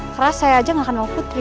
karena saya aja gak kenal putri